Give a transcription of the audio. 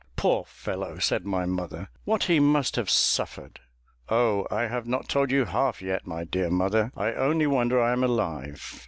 "Poor fellow!" said my mother, "what he must have suffered!" "Oh! I have not told you half yet, my dear mother; I only wonder I am alive."